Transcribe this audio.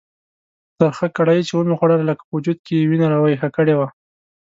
ترخه کړایي چې مې وخوړله لکه په وجود کې یې وینه راویښه کړې وه.